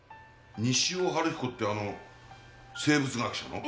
西尾晴彦ってあの生物学者の？